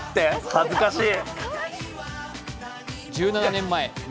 恥ずかしい！